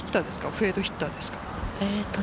フェードヒッターですか？